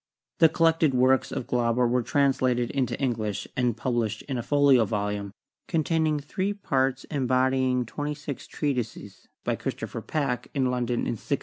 The collected works of Glauber were translated into English and published in a folio volume, containing three parts embodying twenty six treatises, by Christopher Packe, in London, in 1689.